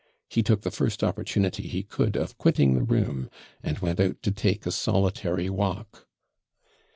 He took the first opportunity he could of quitting the room, and went out to take a solitary walk.